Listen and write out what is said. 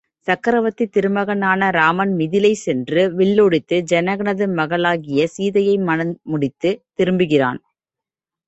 சக்கரவர்த்தித் திருமகனான ராமன் மிதிலை சென்று வில்லொடித்து ஜனகனது மகளாகிய சீதையை மணம் முடித்துத் திரும்புகிறான்.